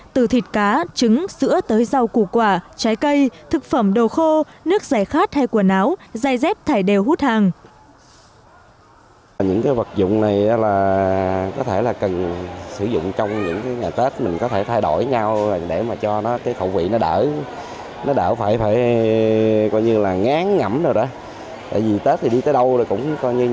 từ thịt cá trứng sữa tới rau củ quả trái cây thực phẩm đồ khô nước dài khát hay quần áo dài dép thải đều hút hàng